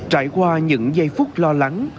trải qua những giây phút lo lắng